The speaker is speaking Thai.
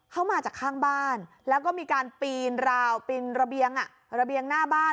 เข้ามาจากข้างบ้านแล้วก็มีการปีนราบียงหน้าบ้าน